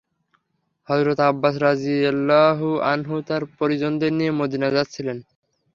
হযরত আব্বাস রাযিয়াল্লাহু আনহু তার পরিজনদের নিয়ে মদীনা যাচ্ছিলেন।